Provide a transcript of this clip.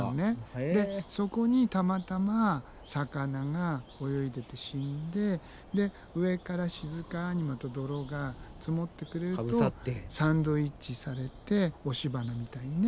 そこにたまたま魚が泳いでて死んでで上から静かにまた泥が積もってくれるとサンドイッチされて押し花みたいにね